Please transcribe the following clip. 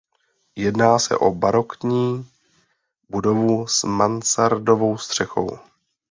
Jedná se o barokní budovu s mansardovou střechou.